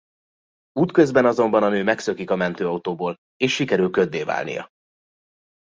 Útközben azonban a nő megszökik a mentőautóból és sikerül köddé válnia.